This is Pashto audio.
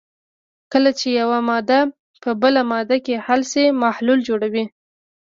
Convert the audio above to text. کله چې یوه ماده په بله ماده کې حل شي محلول جوړوي.